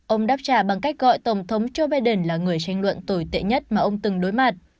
ông đáp trả bằng cách gọi tổng thống joe biden là người tranh luận tồi tệ nhất mà ông từng đối mặt